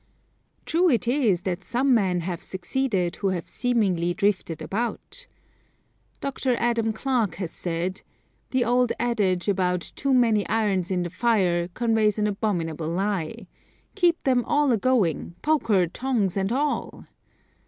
True it is that some men have succeeded who have seemingly drifted about. Dr. Adam Clark has said: "The old adage about too many irons in the fire conveys an abominable lie. Keep them all agoing poker, tongs and all."